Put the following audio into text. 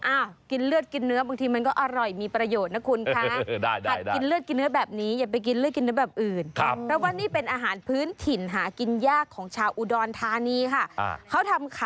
กินเลือดกินเนื้อบางทีมันก็อร่อยมีประโยชน์นะคุณค่ะ